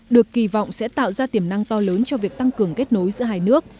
được kỳ vọng sẽ tạo ra tiềm năng to lớn cho việc tăng cường kết nối giữa hai nước